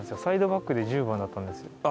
サイドバックで１０番だったんですよ。